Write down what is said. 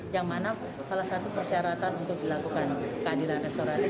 yang mana salah satu persyaratan untuk dilakukan keadilan restoran itu